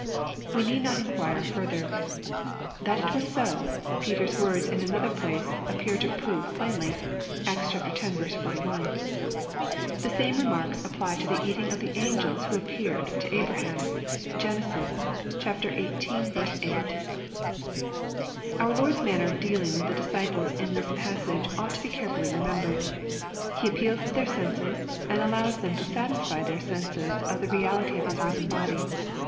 We need not inquire further. That it was so, Peter's words in another place appear to prove plainly. (Acts x. 41.) The same remarks apply to the eating of the angels who appeared to Abraham. (Gen. xviii. 8.) Our Lord's manner of dealing with the disciples in this passage ought to be carefully remembered. He appeals to their senses, and allows them to satisfy their senses of the reality of His risen body.